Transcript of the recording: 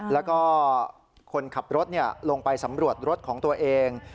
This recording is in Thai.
แล้วก็คนขับรถลงไปสำรวจรถของตัวเอง